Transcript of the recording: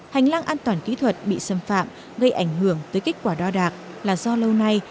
hành lang an toàn kỹ thuật bị xâm phạm gây ảnh hưởng tới kết quả đo đạc là do lâu nay